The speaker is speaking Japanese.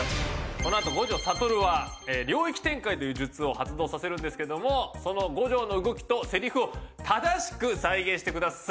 このあと五条悟は領域展開という術を発動させるんですけどもその五条の動きとセリフを正しく再現してください。